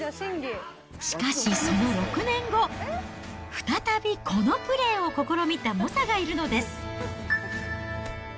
しかしその６年後、再びこのプレーを試みた猛者がいるのです。